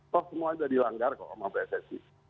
toh semua sudah dilanggar kok sama pssi